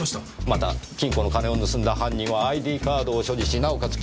また金庫の金を盗んだ犯人はＩＤカードを所持しなおかつ